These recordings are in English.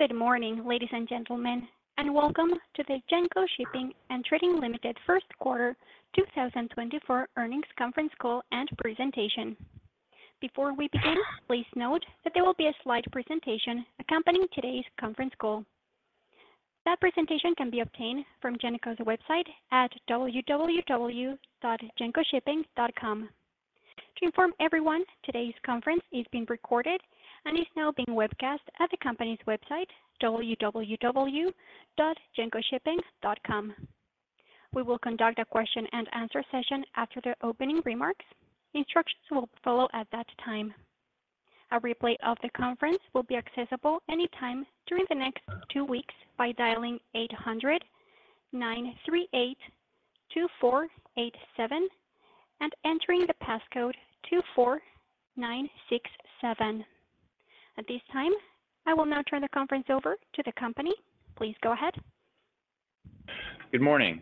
Good morning, ladies and gentlemen, and welcome to the Genco Shipping & Trading Ltd first quarter 2024 earnings conference call and presentation. Before we begin, please note that there will be a slide presentation accompanying today's conference call. That presentation can be obtained from Genco's website at www.gencoshipping.com. To inform everyone, today's conference is being recorded and is now being webcast at the company's website, www.gencoshipping.com. We will conduct a question-and-answer session after the opening remarks. Instructions will follow at that time. A replay of the conference will be accessible anytime during the next two weeks by dialing 800-938-2487 and entering the passcode 24967. At this time, I will now turn the conference over to the company. Please go ahead. Good morning.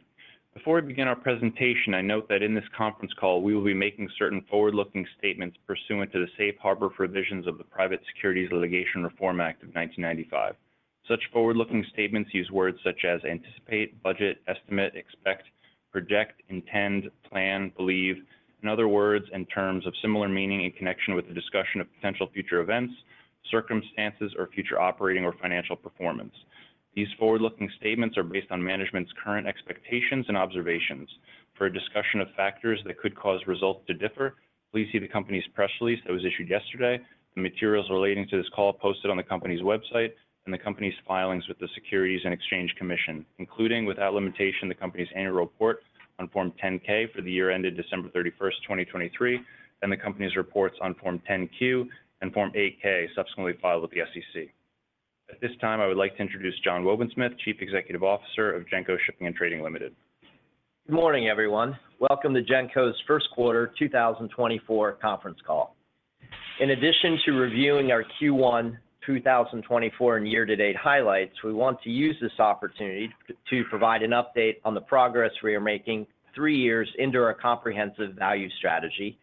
Before we begin our presentation, I note that in this conference call, we will be making certain forward-looking statements pursuant to the Safe Harbor provisions of the Private Securities Litigation Reform Act of 1995. Such forward-looking statements use words such as anticipate, budget, estimate, expect, project, intend, plan, believe, and other words and terms of similar meaning in connection with the discussion of potential future events, circumstances, or future operating or financial performance. These forward-looking statements are based on management's current expectations and observations. For a discussion of factors that could cause results to differ, please see the company's press release that was issued yesterday, the materials relating to this call posted on the company's website, and the company's filings with the Securities and Exchange Commission, including, without limitation, the company's annual report on Form 10-K for the year ended December 31st, 2023, and the company's reports on Form 10-Q and Form 8-K, subsequently filed with the SEC. At this time, I would like to introduce John Wobensmith, Chief Executive Officer of Genco Shipping and Trading Limited. Good morning, everyone. Welcome to Genco's first quarter 2024 conference call. In addition to reviewing our Q1 2024 and year-to-date highlights, we want to use this opportunity to provide an update on the progress we are making three years into our comprehensive value strategy,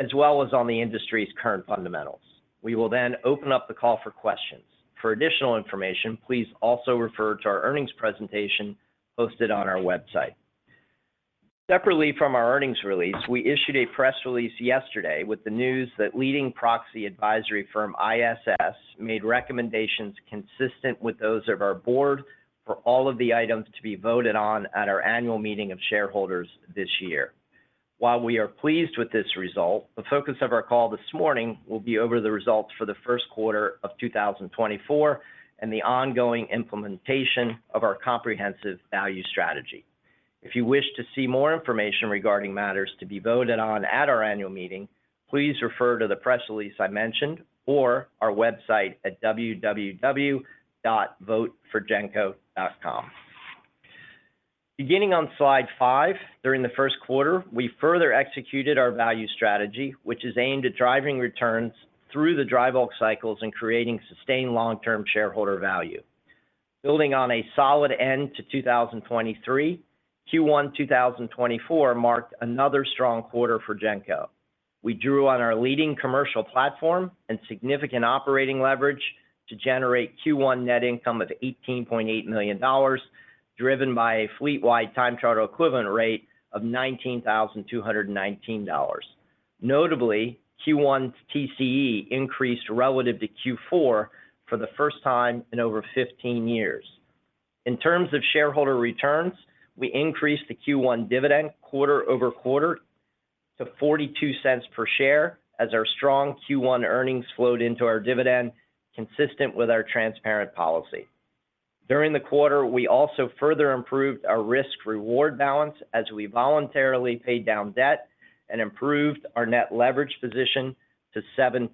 as well as on the industry's current fundamentals. We will then open up the call for questions. For additional information, please also refer to our earnings presentation posted on our website. Separately from our earnings release, we issued a press release yesterday with the news that leading proxy advisory firm ISS made recommendations consistent with those of our board for all of the items to be voted on at our annual meeting of shareholders this year. While we are pleased with this result, the focus of our call this morning will be over the results for the first quarter of 2024 and the ongoing implementation of our comprehensive value strategy. If you wish to see more information regarding matters to be voted on at our annual meeting, please refer to the press release I mentioned or our website at www.voteforgenco.com. Beginning on slide five, during the first quarter, we further executed our value strategy, which is aimed at driving returns through the dry bulk cycles and creating sustained long-term shareholder value. Building on a solid end to 2023, Q1 2024 marked another strong quarter for Genco. We drew on our leading commercial platform and significant operating leverage to generate Q1 net income of $18.8 million, driven by a fleet-wide time charter equivalent rate of $19,219. Notably, Q1 TCE increased relative to Q4 for the first time in over 15 years. In terms of shareholder returns, we increased the Q1 dividend quarter-over-quarter to $0.42 per share, as our strong Q1 earnings flowed into our dividend, consistent with our transparent policy. During the quarter, we also further improved our risk-reward balance as we voluntarily paid down debt and improved our net leverage position to 7%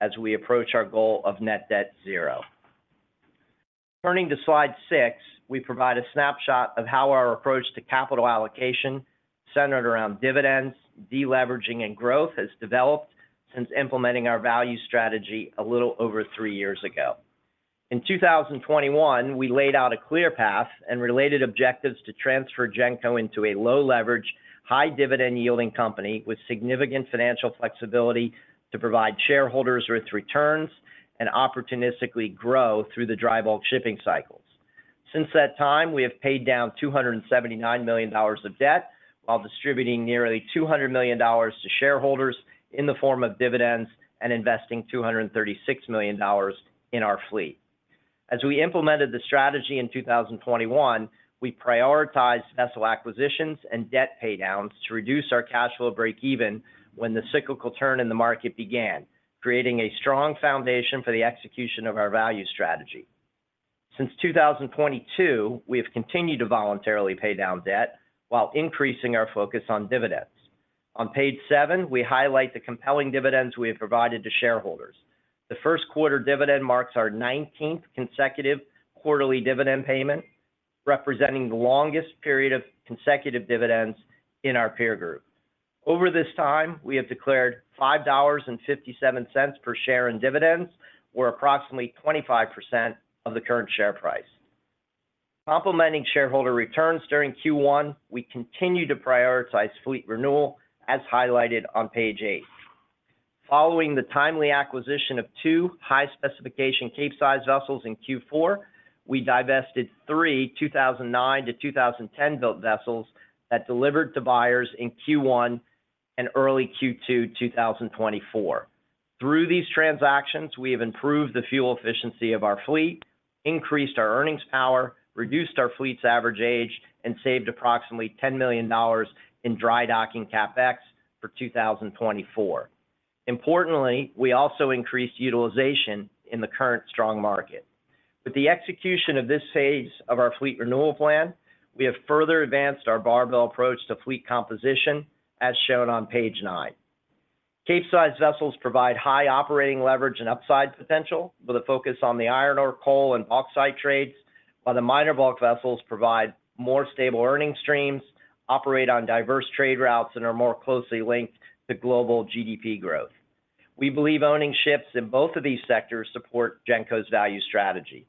as we approach our goal of net debt zero. Turning to slide six, we provide a snapshot of how our approach to capital allocation, centered around dividends, deleveraging, and growth, has developed since implementing our value strategy a little over three years ago. In 2021, we laid out a clear path and related objectives to transfer Genco into a low-leverage, high dividend-yielding company with significant financial flexibility to provide shareholders with returns and opportunistically grow through the dry bulk shipping cycles. Since that time, we have paid down $279 million of debt while distributing nearly $200 million to shareholders in the form of dividends and investing $236 million in our fleet. As we implemented the strategy in 2021, we prioritized vessel acquisitions and debt paydowns to reduce our cash flow break-even when the cyclical turn in the market began, creating a strong foundation for the execution of our value strategy. Since 2022, we have continued to voluntarily pay down debt while increasing our focus on dividends. On page seven, we highlight the compelling dividends we have provided to shareholders. The first quarter dividend marks our 19th consecutive quarterly dividend payment, representing the longest period of consecutive dividends in our peer group. Over this time, we have declared $5.57 per share in dividends, or approximately 25% of the current share price. Complementing shareholder returns during Q1, we continue to prioritize fleet renewal, as highlighted on page eight. Following the timely acquisition of two high-specification Capesize vessels in Q4, we divested 3 2009-2010-built vessels that delivered to buyers in Q1 and early Q2, 2024. Through these transactions, we have improved the fuel efficiency of our fleet, increased our earnings power, reduced our fleet's average age, and saved approximately $10 million in dry docking CapEx for 2024. Importantly, we also increased utilization in the current strong market. With the execution of this phase of our fleet renewal plan, we have further advanced our barbell approach to fleet composition, as shown on page nine. Capesize vessels provide high operating leverage and upside potential, with a focus on the iron ore, coal, and bauxite trades, while the minor bulk vessels provide more stable earning streams, operate on diverse trade routes, and are more closely linked to global GDP growth. We believe owning ships in both of these sectors support Genco's value strategy.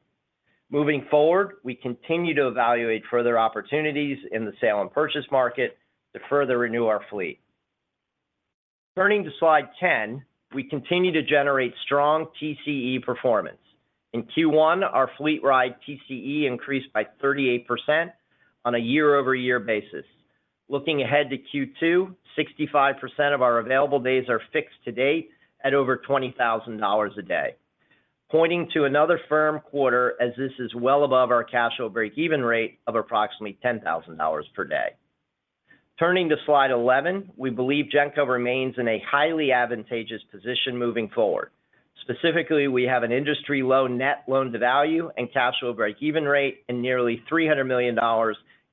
Moving forward, we continue to evaluate further opportunities in the sale and purchase market to further renew our fleet. Turning to slide 10, we continue to generate strong TCE performance. In Q1, our fleet-wide TCE increased by 38% on a year-over-year basis. Looking ahead to Q2, 65% of our available days are fixed to date at over $20,000 a day, pointing to another firm quarter, as this is well above our cash flow breakeven rate of approximately $10,000 per day. Turning to slide 11, we believe Genco remains in a highly advantageous position moving forward. Specifically, we have an industry-low net loan-to-value and cash flow breakeven rate and nearly $300 million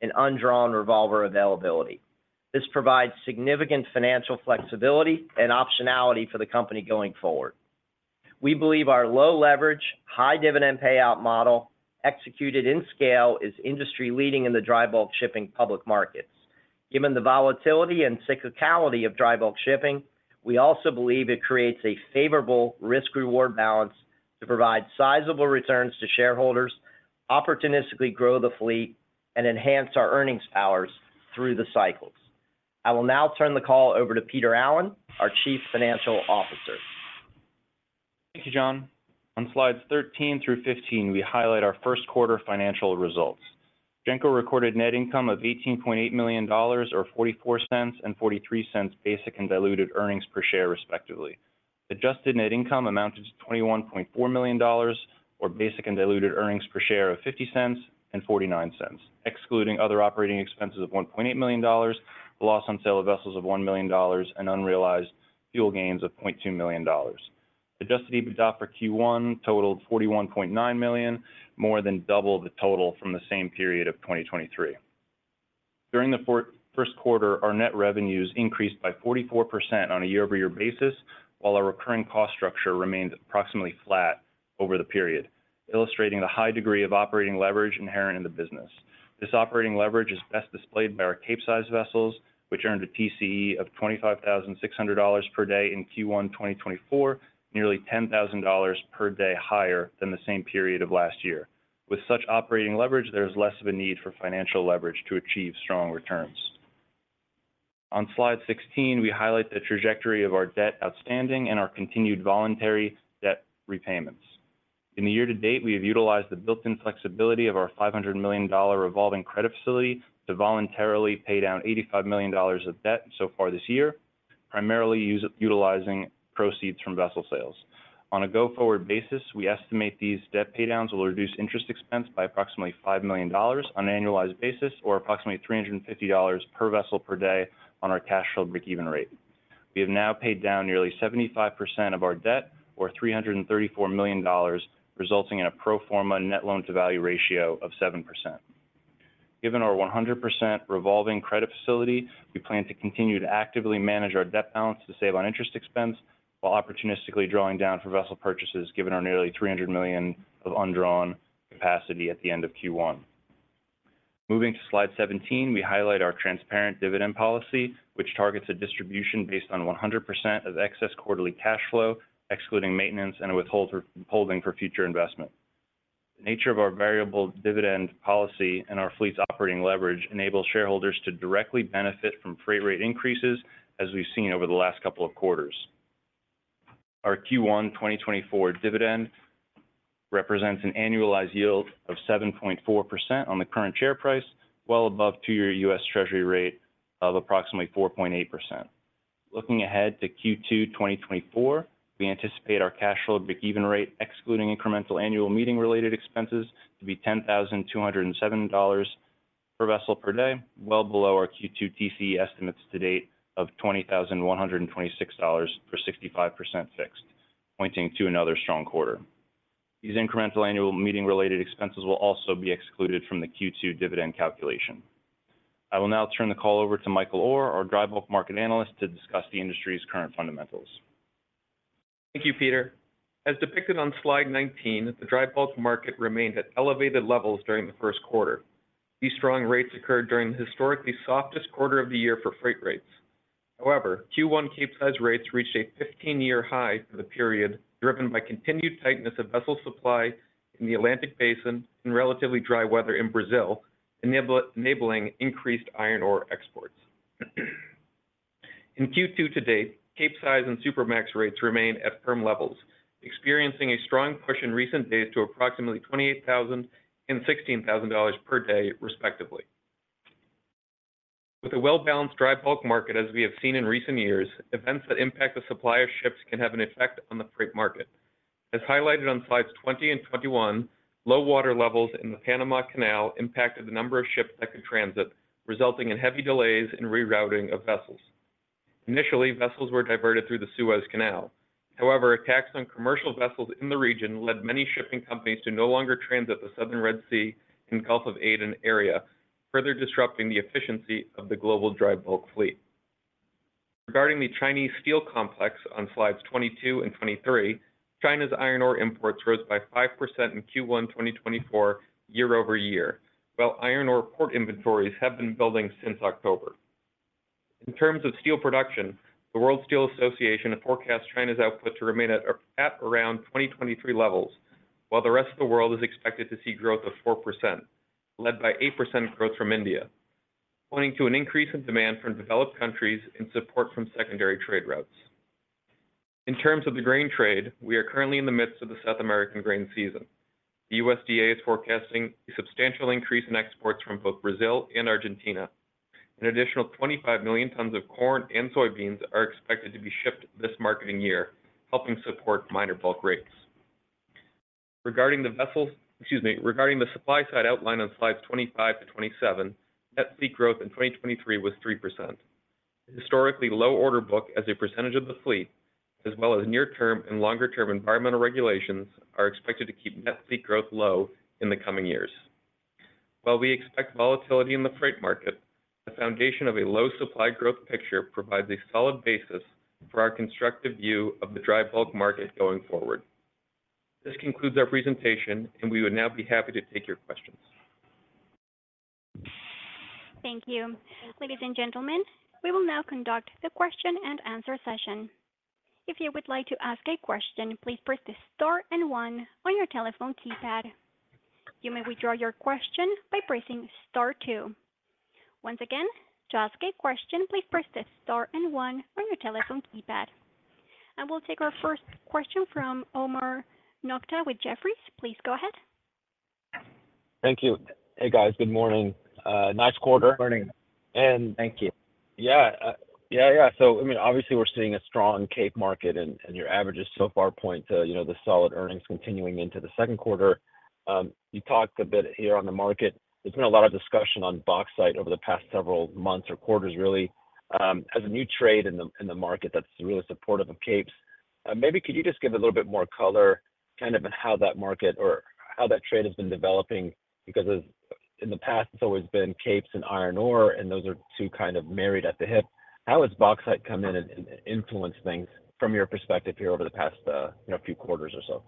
in undrawn revolver availability. This provides significant financial flexibility and optionality for the company going forward. We believe our low-leverage, high-dividend payout model, executed in scale, is industry-leading in the dry bulk shipping public markets. Given the volatility and cyclicality of dry bulk shipping, we also believe it creates a favorable risk-reward balance to provide sizable returns to shareholders, opportunistically grow the fleet, and enhance our earnings powers through the cycles. I will now turn the call over to Peter Allen, our Chief Financial Officer. Thank you, John. On slides 13 through 15, we highlight our first quarter financial results. Genco recorded net income of $18.8 million or $0.44 and $0.43 basic and diluted earnings per share, respectively. Adjusted net income amounted to $21.4 million, or basic and diluted earnings per share of $0.50 and $0.49, excluding other operating expenses of $1.8 million, loss on sale of vessels of $1 million, and unrealized fuel gains of $0.2 million. Adjusted EBITDA for Q1 totaled $41.9 million, more than double the total from the same period of 2023. During the first quarter, our net revenues increased by 44% on a year-over-year basis, while our recurring cost structure remained approximately flat over the period, illustrating the high degree of operating leverage inherent in the business. This operating leverage is best displayed by our Capesize vessels, which earned a TCE of $25,600 per day in Q1 2024, nearly $10,000 per day higher than the same period of last year. With such operating leverage, there's less of a need for financial leverage to achieve strong returns. On slide 16, we highlight the trajectory of our debt outstanding and our continued voluntary debt repayments. In the year to date, we have utilized the built-in flexibility of our $500 million revolving credit facility to voluntarily pay down $85 million of debt so far this year, primarily utilizing proceeds from vessel sales. On a go-forward basis, we estimate these debt paydowns will reduce interest expense by approximately $5 million on an annualized basis, or approximately $350 per vessel per day on our cash flow breakeven rate. We have now paid down nearly 75% of our debt, or $334 million, resulting in a pro forma net loan-to-value ratio of 7%. Given our 100% revolving credit facility, we plan to continue to actively manage our debt balance to save on interest expense, while opportunistically drawing down for vessel purchases, given our nearly $300 million of undrawn capacity at the end of Q1. Moving to slide 17, we highlight our transparent dividend policy, which targets a distribution based on 100% of excess quarterly cash flow, excluding maintenance and withholding for future investment. The nature of our variable dividend policy and our fleet's operating leverage enables shareholders to directly benefit from freight rate increases, as we've seen over the last couple of quarters. Our Q1 2024 dividend represents an annualized yield of 7.4% on the current share price, well above two-year U.S. Treasury rate of approximately 4.8%. Looking ahead to Q2 2024, we anticipate our cash flow breakeven rate, excluding incremental annual meeting-related expenses, to be $10,207 per vessel per day, well below our Q2 TCE estimates to date of $20,126 for 65% fixed, pointing to another strong quarter. These incremental annual meeting-related expenses will also be excluded from the Q2 dividend calculation. I will now turn the call over to Michael Orr, our dry bulk market analyst, to discuss the industry's current fundamentals. Thank you, Peter. As depicted on slide 19, the dry bulk market remained at elevated levels during the first quarter. These strong rates occurred during the historically softest quarter of the year for freight rates. However, Q1 Capesize rates reached a 15-year high for the period, driven by continued tightness of vessel supply in the Atlantic Basin and relatively dry weather in Brazil, enabling increased iron ore exports. In Q2 to date, Capesize and Supramax rates remain at firm levels, experiencing a strong push in recent days to approximately $28,000 and $16,000 per day, respectively. With a well-balanced dry bulk market, as we have seen in recent years, events that impact the supply of ships can have an effect on the freight market. As highlighted on slides 20 and 21, low water levels in the Panama Canal impacted the number of ships that could transit, resulting in heavy delays and rerouting of vessels. Initially, vessels were diverted through the Suez Canal. However, attacks on commercial vessels in the region led many shipping companies to no longer transit the Southern Red Sea and Gulf of Aden area, further disrupting the efficiency of the global dry bulk fleet. Regarding the Chinese steel complex on slides 22 and 23, China's iron ore imports rose by 5% in Q1 2024, year-over-year, while iron ore port inventories have been building since October. In terms of steel production, the World Steel Association have forecast China's output to remain at around 2023 levels, while the rest of the world is expected to see growth of 4%, led by 8% growth from India, pointing to an increase in demand from developed countries and support from secondary trade routes. In terms of the grain trade, we are currently in the midst of the South American grain season. The USDA is forecasting a substantial increase in exports from both Brazil and Argentina. An additional 25 million tons of corn and soybeans are expected to be shipped this marketing year, helping support minor bulk rates. Regarding the supply side outline on slides 25-27, net fleet growth in 2023 was 3%. Historically low order book as a percentage of the fleet, as well as near-term and longer-term environmental regulations, are expected to keep net fleet growth low in the coming years. While we expect volatility in the freight market, the foundation of a low supply growth picture provides a solid basis for our constructive view of the dry bulk market going forward. This concludes our presentation, and we would now be happy to take your questions. Thank you. Ladies and gentlemen, we will now conduct the question-and-answer session. If you would like to ask a question, please press star and one on your telephone keypad. You may withdraw your question by pressing star two. Once again, to ask a question, please press star and one on your telephone keypad. We'll take our first question from Omar Nokta with Jefferies. Please go ahead. Thank you. Hey, guys. Good morning. Nice quarter. Good morning. And- Thank you. Yeah. Yeah, yeah. So, I mean, obviously, we're seeing a strong Cape market, and, and your averages so far point to, you know, the solid earnings continuing into the second quarter. You talked a bit here on the market. There's been a lot of discussion on bauxite over the past several months or quarters, really, as a new trade in the, in the market that's really supportive of Capes. Maybe could you just give a little bit more color, kind of in how that market or how that trade has been developing? Because as in the past, it's always been Capes and iron ore, and those are two kind of married at the hip. How has bauxite come in and, and influenced things from your perspective here over the past, you know, few quarters or so?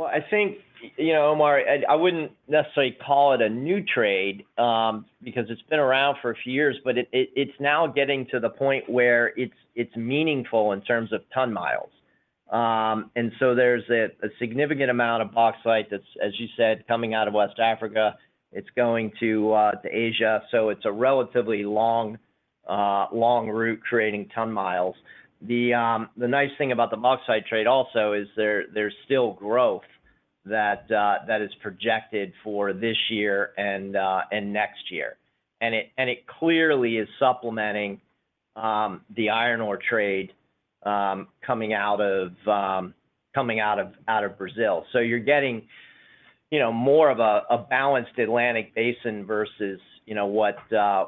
Well, I think, you know, Omar, I wouldn't necessarily call it a new trade, because it's been around for a few years, but it's now getting to the point where it's meaningful in terms of ton miles. And so there's a significant amount of bauxite that's, as you said, coming out of West Africa. It's going to Asia, so it's a relatively long route, creating ton miles. The nice thing about the bauxite trade also is there's still growth that is projected for this year and next year. And it clearly is supplementing the iron ore trade, coming out of Brazil. So you're getting, you know, more of a, a balanced Atlantic Basin versus, you know, what,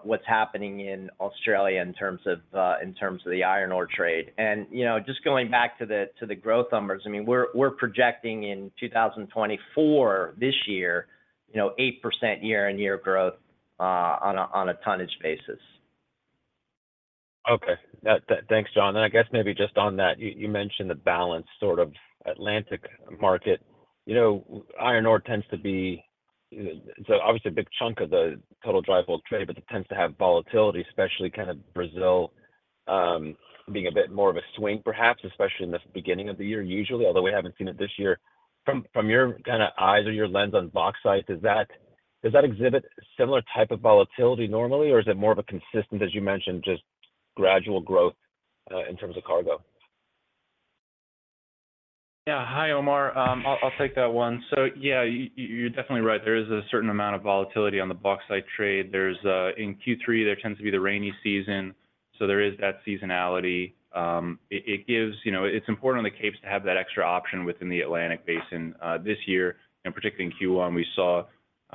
what's happening in Australia in terms of, in terms of the iron ore trade. And, you know, just going back to the, to the growth numbers, I mean, we're, we're projecting in 2024, this year, you know, 8% year-on-year growth, on a, on a tonnage basis. Okay. Thanks, John. Then I guess maybe just on that, you, you mentioned the balanced sort of Atlantic market. You know, iron ore tends to be, so obviously a big chunk of the total dry bulk trade, but it tends to have volatility, especially kind of Brazil, being a bit more of a swing, perhaps, especially in the beginning of the year, usually, although we haven't seen it this year. From, from your kind of eyes or your lens on bauxite, does that, does that exhibit similar type of volatility normally, or is it more of a consistent, as you mentioned, just gradual growth, in terms of cargo? Yeah. Hi, Omar. I'll take that one. So yeah, you're definitely right. There is a certain amount of volatility on the bauxite trade. There's. In Q3, there tends to be the rainy season, so there is that seasonality. It gives, you know. It's important on the Capes to have that extra option within the Atlantic Basin. This year, and particularly in Q1, we saw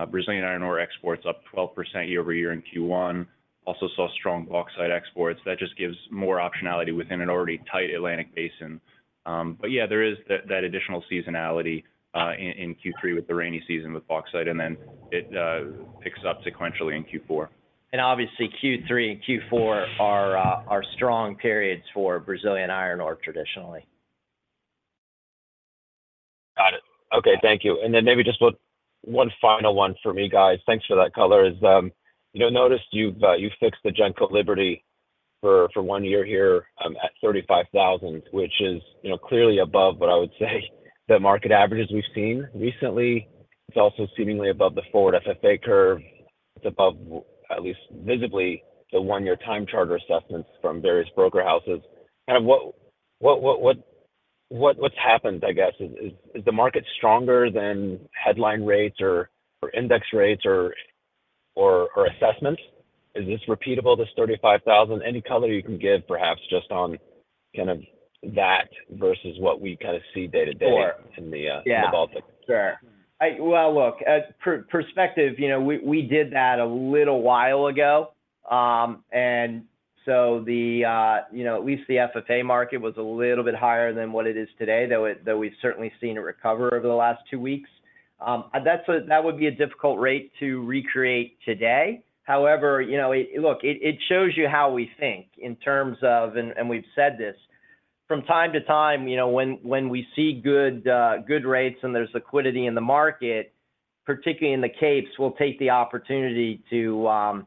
Brazilian iron ore exports up 12% year-over-year in Q1. Also saw strong bauxite exports. That just gives more optionality within an already tight Atlantic Basin. But yeah, there is that additional seasonality in Q3 with the rainy season with bauxite, and then it picks up sequentially in Q4. Obviously Q3 and Q4 are strong periods for Brazilian iron ore, traditionally. Got it. Okay, thank you. And then maybe just one, one final one for me, guys. Thanks for that color. Is, you know, noticed you've, you've fixed the Genco Liberty for, for one year here, um, at $35,000, which is, you know, clearly above what I would say, the market averages we've seen recently. It's also seemingly above the forward FFA curve. It's above, at least visibly, the one-year time charter assessments from various broker houses. Kind of what's happened, I guess, is the market stronger than headline rates or index rates or assessments? Is this repeatable, this $35,000? Any color you can give perhaps just on kind of that versus what we kind of see day-to-day- Sure - in the, in the Baltic? Yeah. Sure. Well, look, from a perspective, you know, we did that a little while ago. And so, you know, at least the FFA market was a little bit higher than what it is today, though we've certainly seen it recover over the last two weeks. That would be a difficult rate to recreate today. However, you know, it... Look, it shows you how we think in terms of... And we've said this from time to time, you know, when we see good rates and there's liquidity in the market, particularly in the Capes, we'll take the opportunity to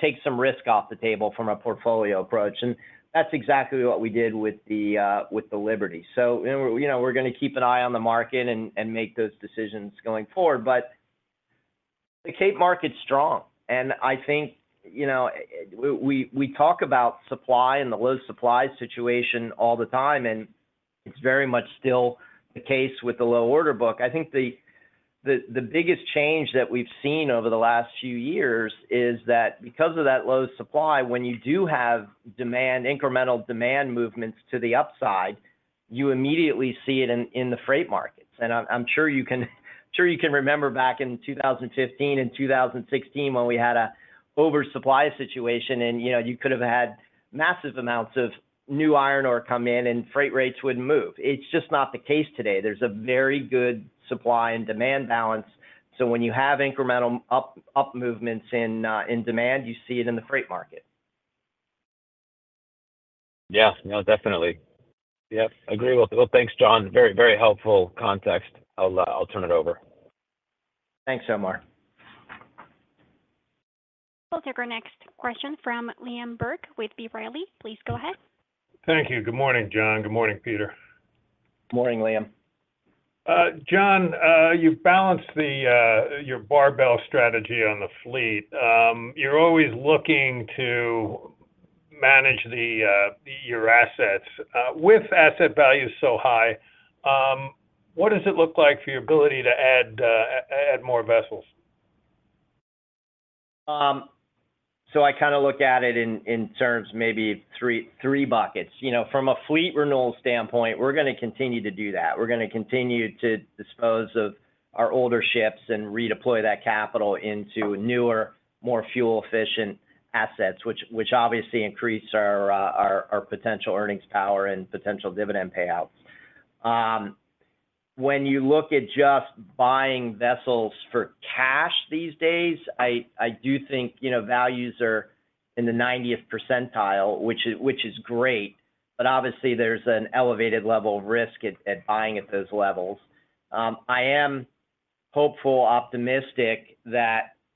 take some risk off the table from a portfolio approach. And that's exactly what we did with the Liberty. So, you know, we're gonna keep an eye on the market and make those decisions going forward. But the Cape market's strong, and I think, you know, we talk about supply and the low supply situation all the time, and it's very much still the case with the low order book. I think the biggest change that we've seen over the last few years is that because of that low supply, when you do have demand-incremental demand movements to the upside, you immediately see it in the freight markets. And I'm sure you can remember back in 2015 and 2016 when we had an oversupply situation and, you know, you could have had massive amounts of new iron ore come in and freight rates wouldn't move. It's just not the case today. There's a very good supply and demand balance. So when you have incremental up, up movements in, in demand, you see it in the freight market. Yeah. No, definitely. Yep, agree with... Well, thanks, John. Very, very helpful context. I'll, I'll turn it over. Thanks, Omar. We'll take our next question from Liam Burke with B. Riley. Please go ahead. Thank you. Good morning, John. Good morning, Peter. Morning, Liam. John, you've balanced your barbell strategy on the fleet. You're always looking to manage your assets. With asset values so high, what does it look like for your ability to add more vessels? So I kind of look at it in terms of maybe three buckets. You know, from a fleet renewal standpoint, we're gonna continue to do that. We're gonna continue to dispose of our older ships and redeploy that capital into newer, more fuel-efficient assets, which obviously increase our potential earnings power and potential dividend payouts. When you look at just buying vessels for cash these days, I do think, you know, values are in the 90th percentile, which is great, but obviously there's an elevated level of risk at buying at those levels. I am hopeful, optimistic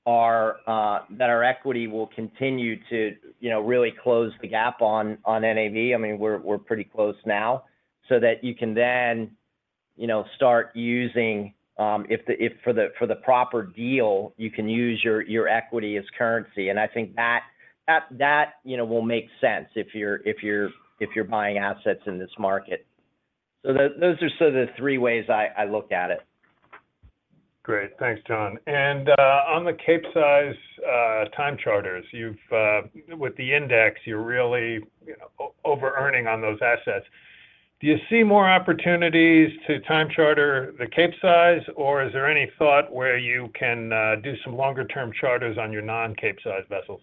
that our equity will continue to, you know, really close the gap on NAV. I mean, we're pretty close now, so that you can then, you know, start using, if for the proper deal, you can use your equity as currency. And I think that, you know, will make sense if you're buying assets in this market. So those are sort of the three ways I look at it. Great. Thanks, John. And on the Capesize time charters, you've with the index, you're really, you know, overearning on those assets. Do you see more opportunities to time charter the Capesize, or is there any thought where you can do some longer-term charters on your non-Capesize vessels?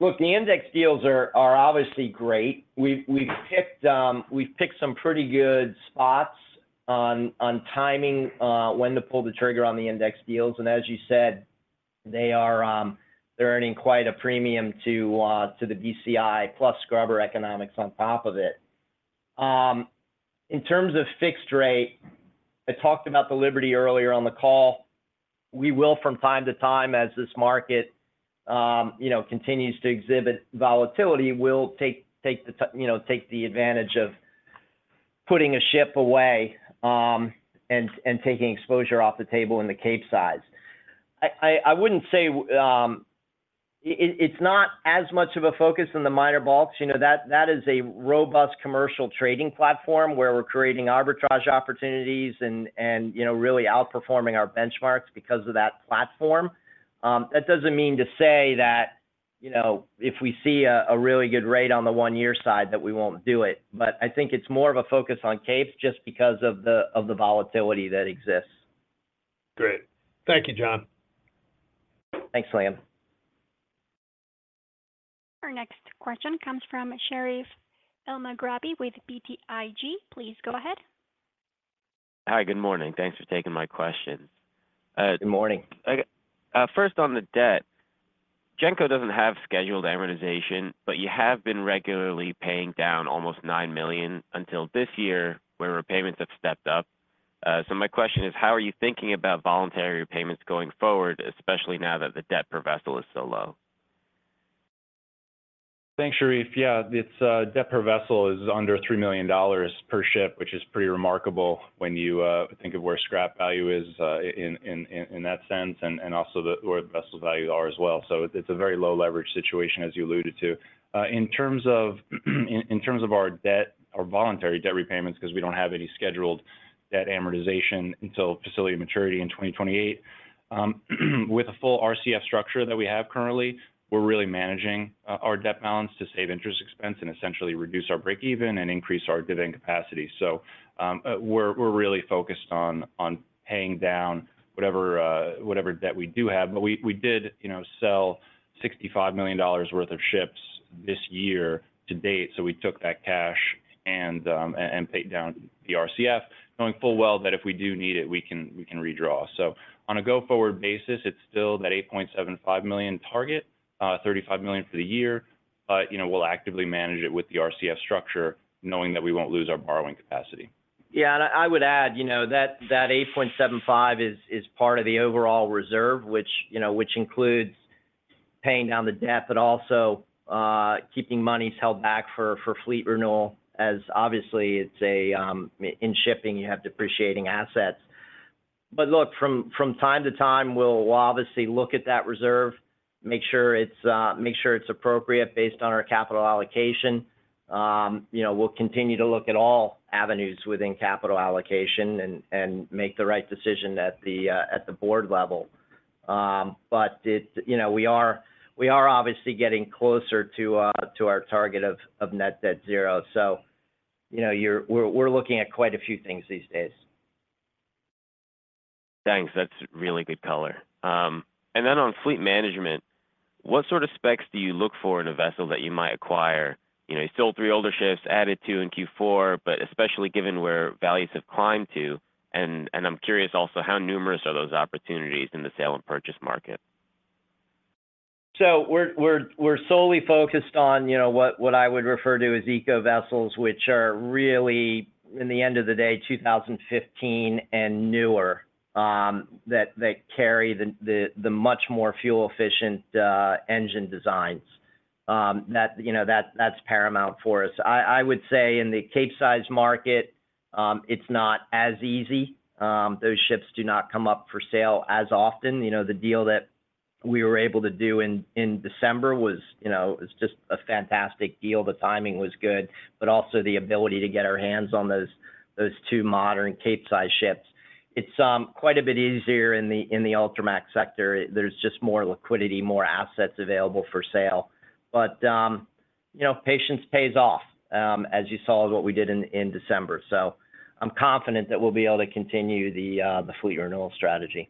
Look, the index deals are obviously great. We've picked some pretty good spots on timing when to pull the trigger on the index deals. And as you said, they are earning quite a premium to the BCI plus scrubber economics on top of it. In terms of fixed rate, I talked about the Liberty earlier on the call. We will, from time to time, as this market you know continues to exhibit volatility, we'll take the advantage of putting a ship away and taking exposure off the table in the Capesize. I wouldn't say... It's not as much of a focus in the minor bulks. You know, that is a robust commercial trading platform where we're creating arbitrage opportunities and, you know, really outperforming our benchmarks because of that platform. That doesn't mean to say that, you know, if we see a really good rate on the one-year side, that we won't do it. But I think it's more of a focus on Cape just because of the volatility that exists. Great. Thank you, John. Thanks, Liam. Our next question comes from Sherif Elmaghrabi with BTIG. Please go ahead. Hi, good morning. Thanks for taking my questions. Good morning. First, on the debt, Genco doesn't have scheduled amortization, but you have been regularly paying down almost $9 million until this year, where repayments have stepped up. So my question is, how are you thinking about voluntary repayments going forward, especially now that the debt per vessel is so low? Thanks, Sherif. Yeah, it's debt per vessel is under $3 million per ship, which is pretty remarkable when you think of where scrap value is in that sense, and also where the vessel values are as well. So it's a very low leverage situation, as you alluded to. In terms of our debt or voluntary debt repayments, 'cause we don't have any scheduled debt amortization until facility maturity in 2028. With a full RCF structure that we have currently, we're really managing our debt balance to save interest expense and essentially reduce our breakeven and increase our dividend capacity. So, we're really focused on paying down whatever debt we do have. But we did, you know, sell $65 million worth of ships this year to date, so we took that cash and paid down the RCF, knowing full well that if we do need it, we can redraw. So on a go-forward basis, it's still that $8.75 million target, $35 million for the year. But, you know, we'll actively manage it with the RCF structure, knowing that we won't lose our borrowing capacity. Yeah, and I would add, you know, that, that $8.75 is part of the overall reserve, which, you know, which includes paying down the debt, but also keeping monies held back for fleet renewal, as obviously it's a in shipping, you have depreciating assets. But look, from time to time, we'll obviously look at that reserve, make sure it's appropriate based on our capital allocation. You know, we'll continue to look at all avenues within capital allocation and make the right decision at the board level. But it-- you know, we are obviously getting closer to our target of net debt zero. So, you know, you're-- we're looking at quite a few things these days. Thanks. That's really good color. And then on fleet management, what sort of specs do you look for in a vessel that you might acquire? You know, you sold three older ships, added two in Q4, but especially given where values have climbed to, and, and I'm curious also, how numerous are those opportunities in the sale and purchase market? So we're solely focused on, you know, what I would refer to as eco vessels, which are really, in the end of the day, 2015 and newer, that carry the much more fuel-efficient engine designs. That, you know, that's paramount for us. I would say in the Capesize market, it's not as easy. Those ships do not come up for sale as often. You know, the deal that we were able to do in December was, you know, it's just a fantastic deal. The timing was good, but also the ability to get our hands on those two modern Capesize ships. It's quite a bit easier in the Ultramax sector. There's just more liquidity, more assets available for sale. But, you know, patience pays off, as you saw with what we did in December. So I'm confident that we'll be able to continue the fleet renewal strategy.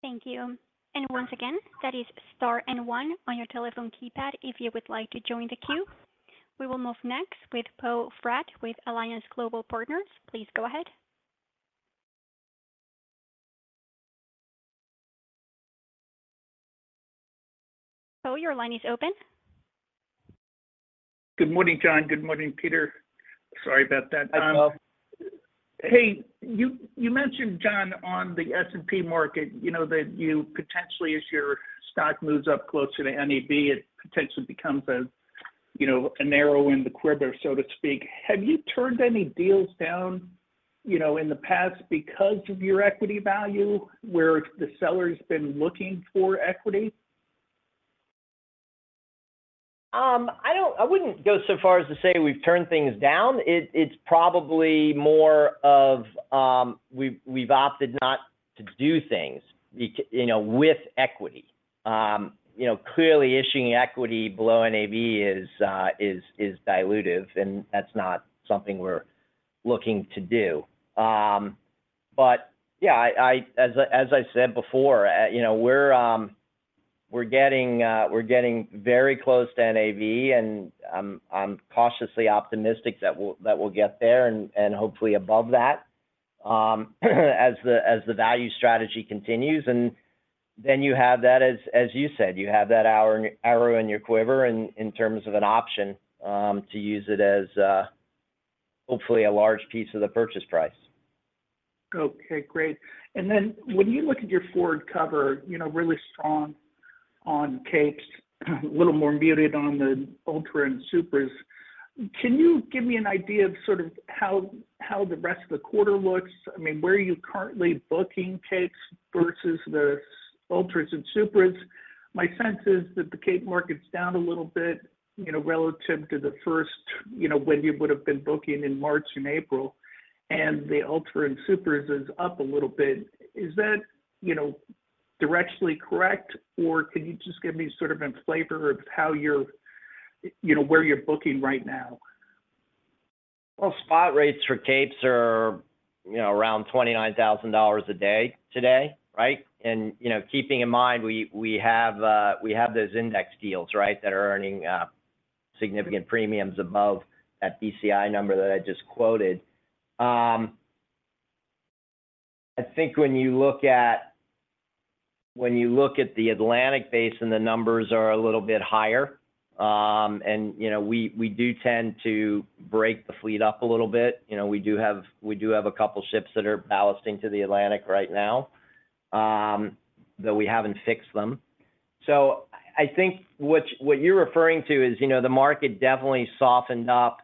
Thank you. Once again, that is star and one on your telephone keypad, if you would like to join the queue. We will move next with Poe Fratt, with Alliance Global Partners. Please go ahead. Poe, your line is open. Good morning, John. Good morning, Peter. Sorry about that. Hi, Poe. Hey, you, you mentioned, John, on the S&P market, you know, that you potentially, as your stock moves up closer to NAV, it potentially becomes a, you know, an arrow in the quiver, so to speak. Have you turned any deals down, you know, in the past because of your equity value, where the seller's been looking for equity? I don't – I wouldn't go so far as to say we've turned things down. It's probably more of, we've opted not to do things be– you know, with equity. You know, clearly issuing equity below NAV is dilutive, and that's not something we're looking to do. But yeah, as I said before, you know, we're getting very close to NAV, and I'm cautiously optimistic that we'll get there and hopefully above that, as the value strategy continues. And then you have that as, as you said, you have that arrow in your quiver in terms of an option, to use it as, hopefully a large piece of the purchase price. Okay, great. And then when you look at your forward cover, you know, really strong on Capes, a little more muted on the Ultra and Supras, can you give me an idea of sort of how the rest of the quarter looks? I mean, where are you currently booking Capes versus the Ultras and Supras? My sense is that the Cape market's down a little bit, you know, relative to the first, you know, when you would've been booking in March and April, and the Ultra and Supras is up a little bit. Is that, you know, directionally correct? Or can you just give me sort of a flavor of how you're, you know, where you're booking right now? .Well, spot rates for Capes are, you know, around $29,000 a day today, right? And, you know, keeping in mind, we have those index deals, right? That are earning significant premiums above that BCI number that I just quoted. I think when you look at the Atlantic Basin, the numbers are a little bit higher. And, you know, we do tend to break the fleet up a little bit. You know, we do have a couple ships that are ballasting to the Atlantic right now, though we haven't fixed them. So I think what you're referring to is, you know, the market definitely softened up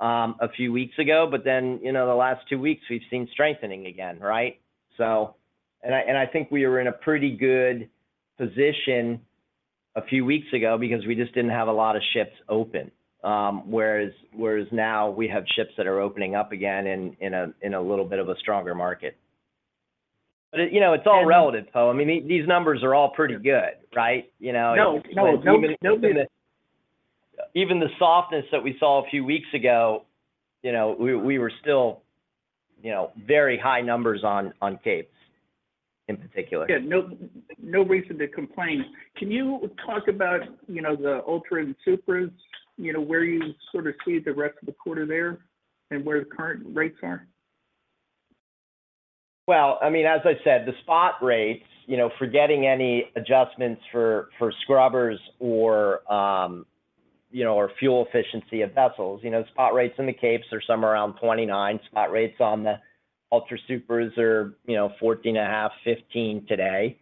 a few weeks ago. But then, you know, the last two weeks, we've seen strengthening again, right? So... And I, and I think we were in a pretty good position a few weeks ago because we just didn't have a lot of ships open. Whereas now we have ships that are opening up again in a little bit of a stronger market. But, you know, it's all relative, Poe. I mean, these numbers are all pretty good, right? You know- No, no, no, no- Even the softness that we saw a few weeks ago, you know, we were still, you know, very high numbers on Capes in particular. Yeah, no, no reason to complain. Can you talk about, you know, the Ultra and Supras, you know, where you sort of see the rest of the quarter there and where the current rates are? Well, I mean, as I said, the spot rates, you know, forgetting any adjustments for scrubbers or, you know, or fuel efficiency of vessels. You know, spot rates in the Capes are somewhere around 29. Spot rates on the Ultra Supras are, you know, 14.5, 15 today.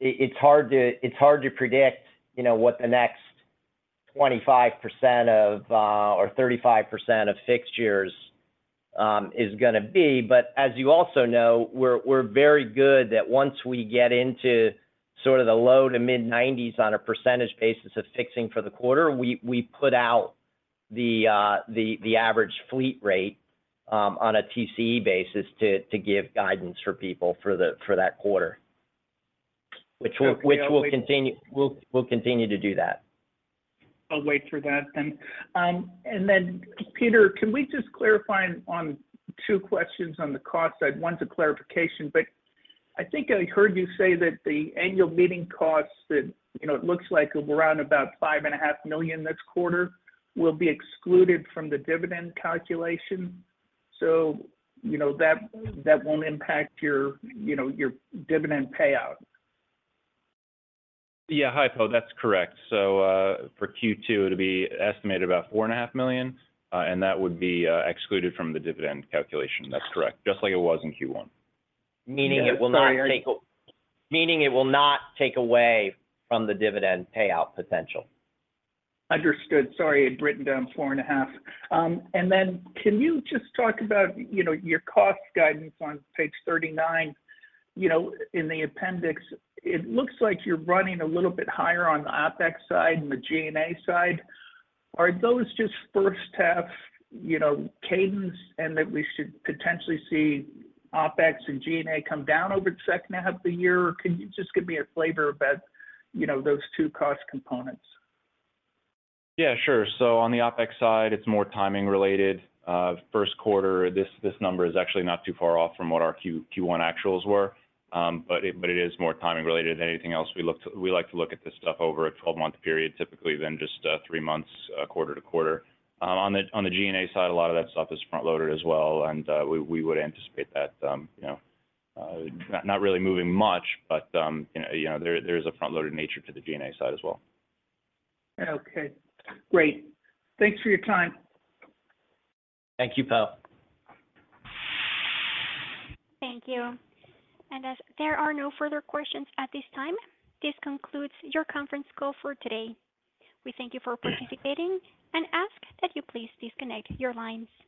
It's hard to predict, you know, what the next 25% or 35% of fixtures is gonna be. But as you also know, we're very good that once we get into sort of the low to mid-90s on a percentage basis of fixing for the quarter, we put out the average fleet rate on a TCE basis to give guidance for people for that quarter, which will- Okay. Which we'll continue to do that. I'll wait for that then. And then, Peter, can we just clarify on two questions on the cost side? One's a clarification, but I think I heard you say that the annual meeting costs that, you know, it looks like around about $5.5 million this quarter, will be excluded from the dividend calculation. So, you know, that, that won't impact your, you know, your dividend payout? Yeah. Hi, Poe, that's correct. So, for Q2, it'll be estimated about $4.5 million, and that would be excluded from the dividend calculation. That's correct. Just like it was in Q1. Meaning it will not take- Sorry. Meaning it will not take away from the dividend payout potential. Understood. Sorry, I'd written down 4.5. And then can you just talk about, you know, your cost guidance on page 39? You know, in the appendix, it looks like you're running a little bit higher on the OpEx side and the G&A side. Are those just first half, you know, cadence, and that we should potentially see OpEx and G&A come down over the second half of the year? Or can you just give me a flavor about, you know, those two cost components? Yeah, sure. So on the OpEx side, it's more timing related. First quarter, this number is actually not too far off from what our Q1 actuals were. But it is more timing related than anything else. We like to look at this stuff over a 12-month period, typically, than just three months, quarter to quarter. On the G&A side, a lot of that stuff is front-loaded as well, and we would anticipate that, you know, not really moving much, but you know, there is a front-loaded nature to the G&A side as well. Okay, great. Thanks for your time. Thank you, Poe. Thank you. As there are no further questions at this time, this concludes your conference call for today. We thank you for participating and ask that you please disconnect your lines.